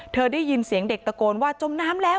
ได้ยินเสียงเด็กตะโกนว่าจมน้ำแล้ว